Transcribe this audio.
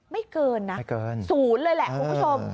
ไม่เกินนะสูงเลยแหละคุณผู้ชม